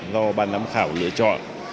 do bàn giám khảo lựa chọn